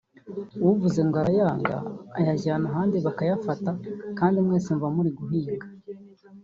uvuze ngo urayanga ayajyana ahandi bakayafata kandi mwese muba muri guhinga